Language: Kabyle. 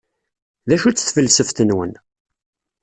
D acu-tt tfelseft-nwen?